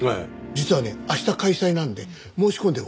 実はね明日開催なので申し込んでおきました。